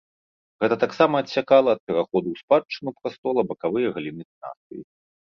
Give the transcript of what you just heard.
Гэта таксама адсякала ад пераходу ў спадчыну прастола бакавыя галіны дынастыі.